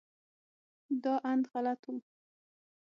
دا اند غلط و.